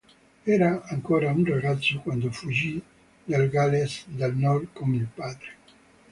Era ancora un ragazzo quando fuggì dal Galles del nord con il padre.